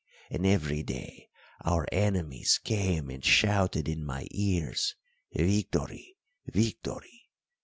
And every day our enemies came and shouted in my ears, 'Victory victory!'